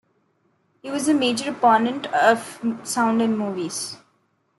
He was a major opponent of sound in movies.